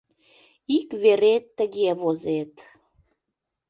Ик вере тыге возет: